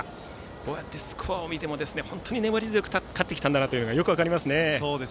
こうやってスコアを見ても本当に粘り強く勝ってきたことがよく分かりますね。